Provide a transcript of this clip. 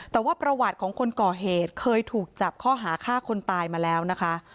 แต่ว่าประวัติของคนก่อเหตุเคยถูกจับข้อหาฆ่าคนตายมาแล้วนะคะ